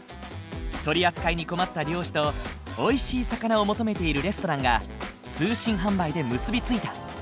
取り扱いに困った漁師とおいしい魚を求めているレストランが通信販売で結び付いた。